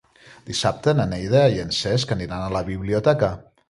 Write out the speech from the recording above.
Dissabte na Neida i en Cesc aniran a la biblioteca.